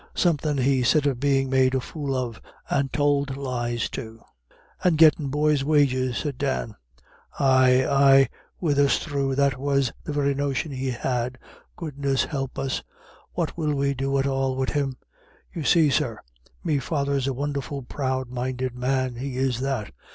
"Somethin' he said of bein' made a fool of, and tould lies to " "And gettin' boys' wages," said Dan. "Ay, ay, wirrasthrew, that was the very notion he had, goodness help us. What will we do at all wid him? You see, sir, me father's a won'erful proud minded man; he is that.